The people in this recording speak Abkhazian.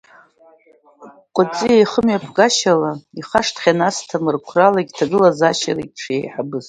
Кәаҵиа ихымҩаԥгашьала ихашҭхьан Асҭамыр қәралагьы ҭагылазаашьалагьы дшеиҳабыз.